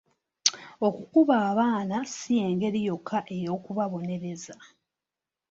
Okukuba abaana ssi y'engeri yokka ey'okubabonereza.